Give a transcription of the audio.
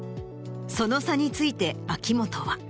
その差について秋元は。